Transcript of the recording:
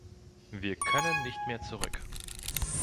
Wir können nicht mehr zurück.